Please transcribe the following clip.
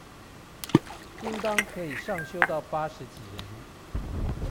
應當可上修到八十幾人